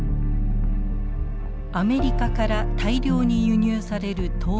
アメリカから大量に輸入されるトウモロコシ。